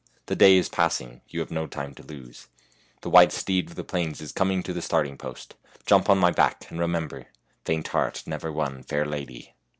The day is passing. You have no time to lose. The white steed of the plains is coming to the starting post. Jump on my back, and remember, f Faint heart never won fair lady.'